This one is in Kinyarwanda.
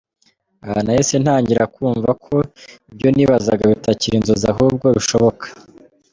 Aha nahise ntangira kumva ko ibyo nibazaga bitakiri inzozi ahubwo bishoboka.